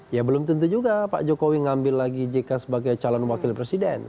ya belum tentu juga pak jokowi mengambil lagi jk sebagai calon wakil presiden